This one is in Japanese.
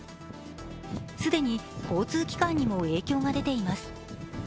既に交通機関にも影響が出ています。